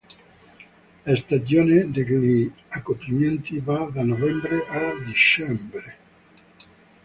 La stagione degli accoppiamenti va da novembre a dicembre.